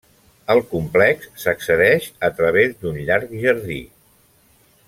Al complex s'accedeix a través d'un llarg jardí.